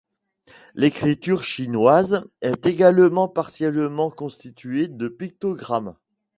L'écriture chinoise est également partiellement constituée de pictogrammes.